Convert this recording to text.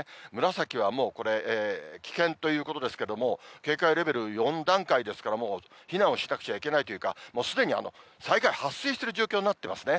紫はもうこれ、危険ということですけれども、警戒レベル４段階ですから、もう避難をしなくちゃいけないというか、もうすでに災害、発生している状況になってますね。